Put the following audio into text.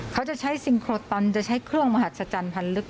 เขาจะใช้ซิงโครตอนจะใช้เครื่องมหัศจรรย์พันธ์ลึก